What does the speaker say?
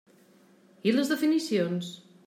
I les definicions?